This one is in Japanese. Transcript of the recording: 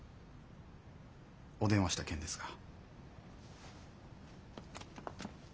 お電話した件ですが。